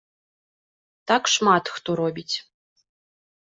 Так шмат хто робіць.